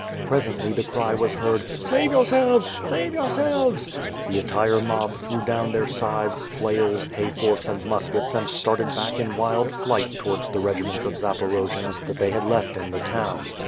Presently the cry was heard, "Save yourselves! Save yourselves!" The entire mob threw down their scythes, flails, hay forks and muskets and started back in wild flight towards the regiments of Zaporojians that they had left in the town.